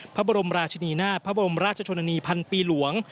พระบรมราชนีนาฏพระบรมราชชนนานีพันปีหลวง